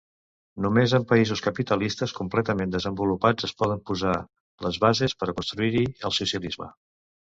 Només en països capitalistes completament desenvolupats es poden posar les bases per construir-hi el socialisme.